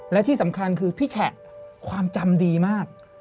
และที่สำคัญคือพี่แฉะความจำดีมาก